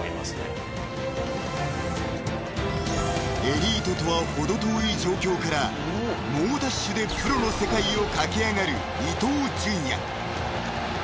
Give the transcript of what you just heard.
［エリートとは程遠い状況から猛ダッシュでプロの世界を駆け上がる伊東純也］